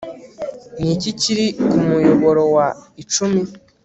niki kiri kumuyoboro wa icumi